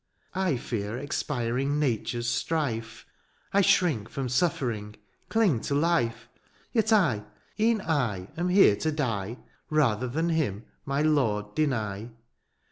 " I fear expiring nature's strife, " I shrink from suffering, cling to life ;" Yet I, e'en I, am here to die, '^ Rather than him — ^my Lord — deny.